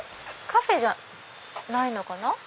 カフェじゃないのかな？